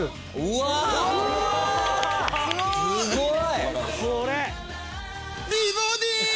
うわすごい！